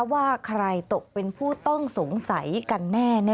ว่าใครตกเป็นผู้ต้องสงสัยกันแน่